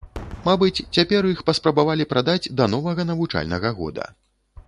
Мабыць, цяпер іх паспрабавалі прадаць да новага навучальнага года.